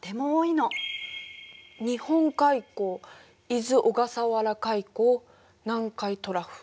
日本海溝伊豆・小笠原海溝南海トラフ。